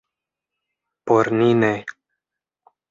Por ni ne.